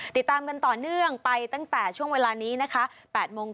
ติดตามกันต่อเนื่องไปตั้งแต่ช่วงเวลานี้นะคะ